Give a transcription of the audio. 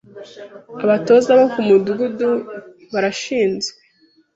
Abatoza bo ku Mudugudu barashinzwe